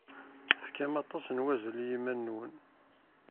Tefkam aṭas n wazal i yiman-nwen.